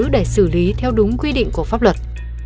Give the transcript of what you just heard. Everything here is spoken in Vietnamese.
để xử lý theo đúng quy định của pháp luật